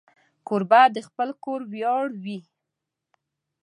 کوربه د خپل کور ویاړ وي.